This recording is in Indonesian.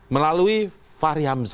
melalui fahri hamzah